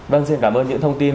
vâng xin cảm ơn những thông tin